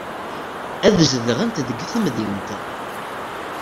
Ad zedɣent deg temdint.